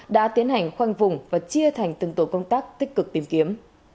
đã tiến hành khoanh vùng và chia thành từng tổ công tác tích cực tìm kiếm